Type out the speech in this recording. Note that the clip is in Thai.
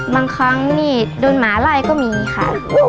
บางครั้งนี่โดนหมาไล่ก็มีค่ะ